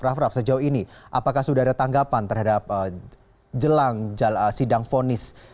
raff raff sejauh ini apakah sudah ada tanggapan terhadap jelang sidang fonis